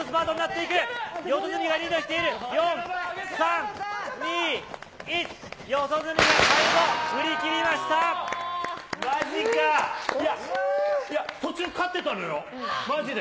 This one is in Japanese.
いや、途中勝ってたのよ、まじで。